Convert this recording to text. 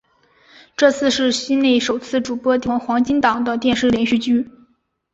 这次是西内首次主演黄金档的电视连续剧。